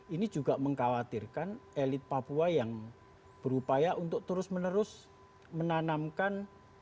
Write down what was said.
ini juga mengkhawatirkan elit papua yang berupaya untuk terus menerus menanamkan